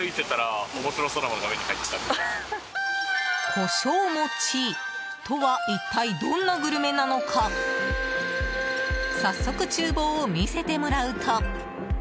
胡椒餅とは一体どんなグルメなのか早速、厨房を見せてもらうと。